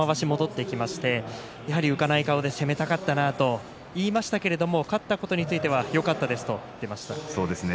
浮かない顔で攻めたかったなと言いましたけども勝ったことについてはよかったですと言っていました。